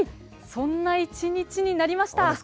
そんな一日になりました。